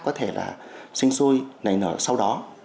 có thể là sinh xuôi nảy nở sau đó